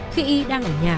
khi đang ở nhà